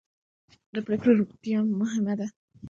د پرېکړو روڼتیا مهمه ده